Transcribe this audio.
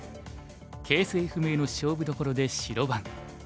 形勢不明の勝負どころで白番。